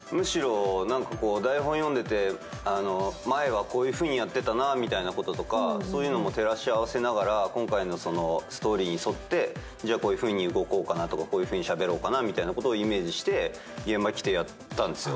全然自覚ないので、むしろ台本を読んでて、前はこういうふうにやってたなみたいなことも照らし合わせながら今回のストーリーに沿って、じゃあこういうふうに動こうかなとか、こういうふうにしゃべろうかなみたいなことをイメージして現場に来てやったんですよ。